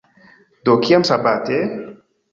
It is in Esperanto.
Do, kiam sabate?"